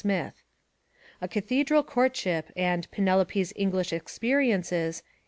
Smith.) A Cathedral Courtship and Penelope's English Ex periences, 1893.